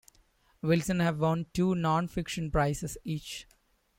Wilson have won two Nonfiction prizes each.